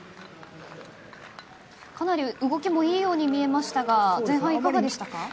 かなり動きもいいように見えましたが前半いかがでしたか。